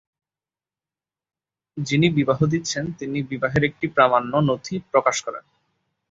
যিনি বিবাহ দিচ্ছেন, তিনি বিবাহের একটি প্রামাণ্য নথি প্রকাশ করেন।